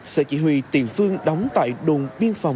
sở chỉ huy tiền phương đóng tại đồn biên phòng